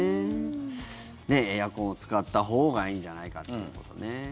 エアコンを使ったほうがいいんじゃないかってことね。